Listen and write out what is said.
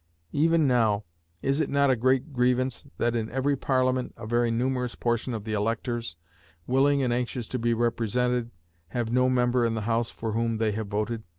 Even now, is it not a great grievance that in every Parliament a very numerous portion of the electors, willing and anxious to be represented, have no member in the House for whom they have voted?